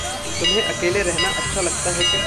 तुम्हे अकेले रहना अच्छा लगता है क्या?